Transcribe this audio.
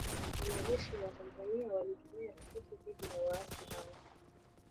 Wnajeshi wa Tanzania walitumia roketi dhidi ya waasi hao